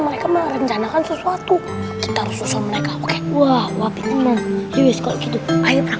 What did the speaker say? mereka merencanakan sesuatu kita susah mereka oke wah wapit memang iwis kok gitu ayo makan